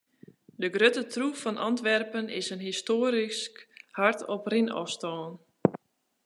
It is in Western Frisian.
De grutte troef fan Antwerpen is in histoarysk hart op rinôfstân.